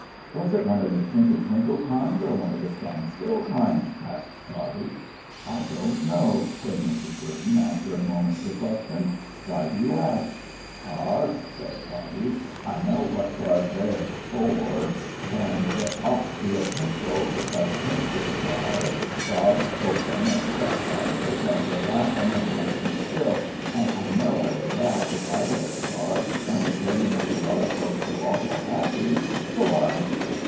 "Was it one of the twinkle twinkle kind, or one of the stand still kind?" asked Toddie. "I don't know," said Mrs. Burton, after a moment's reflection. "Why do you ask?" "'Cauzh," said Toddie, "I know what 'twazh there for, an' it ought to have twinkled, 'cauzh twinkley star bobs open and shut that way 'cauzh they're laughin' and can't keep still, an' I know I'd have laughed if I'd been a star an' was goin' to make a lot of folks so awful happy. G'won."